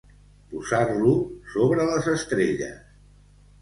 Posar-lo sobre les estrelles.